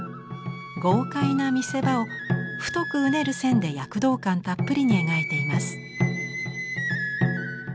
豪快な見せ場を太くうねる線で躍動感たっぷりに描いています。